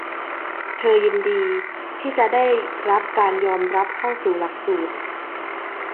เธอยินดีที่จะได้รับการยอมรับเข้าสู่หลักสูตร